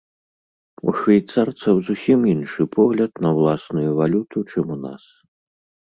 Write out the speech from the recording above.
У швейцарцаў зусім іншы погляд на ўласную валюту, чым у нас.